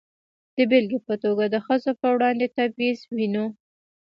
د بېلګې په توګه د ښځو پر وړاندې تبعیض وینو.